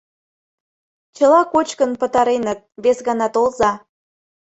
— Чыла кочкын пытареныт, вес гана толза.